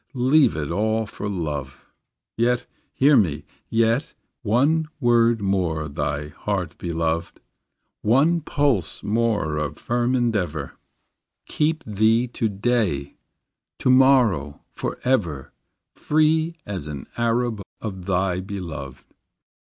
Leave all for love; Yet, hear me, yet, One word more thy heart behoved, One pulse more of firm endeavor, Keep thee to day, To morrow, forever, Free as an Arab Of thy beloved.